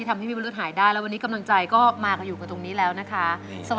มีภรรยาของคุณวรุฒน์นะครับ